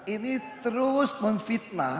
ini terus menfitnah